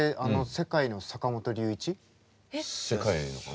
世界のかな？